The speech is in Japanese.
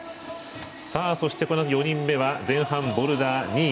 そして、４人目は前半、ボルダー２位。